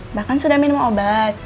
mbak kan sudah minum obat